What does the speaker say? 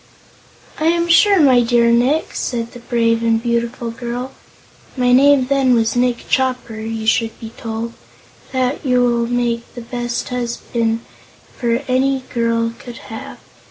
"'I am sure, my dear Nick,' said the brave and beautiful girl my name was then Nick Chopper, you should be told 'that you will make the best husband any girl could have.